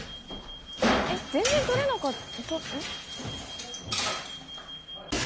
えっ全然取れなかった？